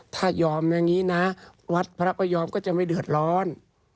ถ้ายอมอย่างนี้นะวัดพระก็ยอมก็จะไม่เดือดร้อน